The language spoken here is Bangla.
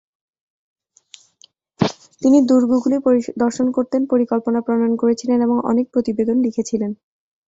তিনি দুর্গগুলি পরিদর্শন করতেন, পরিকল্পনা প্রনয়ন করেছিলেন এবং অনেক প্রতিবেদন লিখেছিলেন।